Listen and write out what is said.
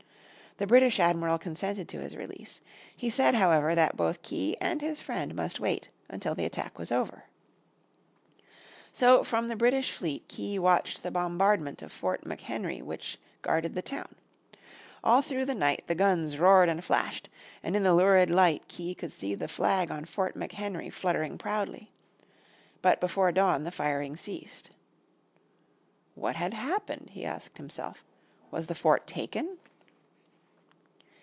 The British Admiral consented to his release. He said, however, that both Key and his friend must wait until the attack was over. So, from the British fleet, Key watched the bombardment of Fort McHenry which guarded the town. All through the night the guns roared and flashed, and in the lurid light Key could see the flag on Fort McHenry fluttering proudly. But before dawn the firing ceased. "What had happened," he asked himself, "was the fort taken?"